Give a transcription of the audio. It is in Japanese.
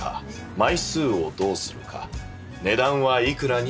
枚数をどうするか値段はいくらにするか。